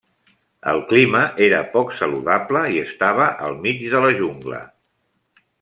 El clima era poc saludable i estava al mig de la jungla.